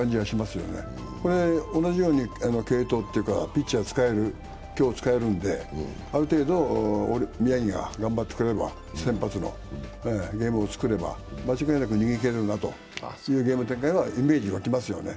これ、同じような継投というかピッチャー使えるので、ある程度、宮城が頑張ってくれればゲームを作れば間違いなく逃げ切れるなというゲーム展開は、イメージが湧きますよね。